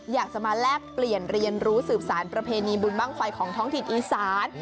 อยากจะมาแลกเปลี่ยนเรียนรู้สืบสารประเพณีบุญบ้างไฟของท้องถิ่นอีสาน